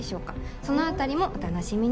そのあたりもお楽しみに。